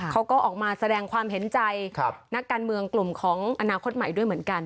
เขาก็ออกมาแสดงความเห็นใจนักการเมืองกลุ่มของอนาคตใหม่ด้วยเหมือนกัน